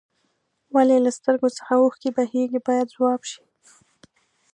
ولې له سترګو څخه اوښکې بهیږي باید ځواب شي.